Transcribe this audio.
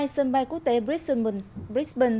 sân bay quốc tế brisbane